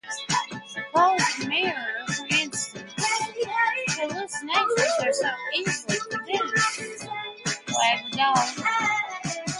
Suppose a mirror, for instance — hallucinations are so easily produced.